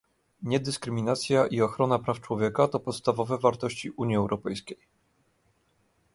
Niedyskryminacja i ochrona praw człowieka to podstawowe wartości Unii Europejskiej